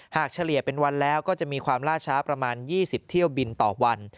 เฉลี่ยเป็นวันแล้วก็จะมีความล่าช้าประมาณ๒๐เที่ยวบินต่อวัน